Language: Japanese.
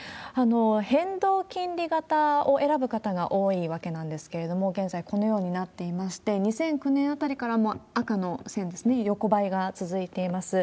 変動金利型を選ぶ方が多いわけなんですけれども、現在、このようになっていまして、２００９年あたりからも、赤の線ですね、横ばいが続いています。